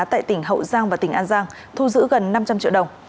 tại tỉnh hậu giang và tỉnh an giang thu giữ gần năm trăm linh triệu đồng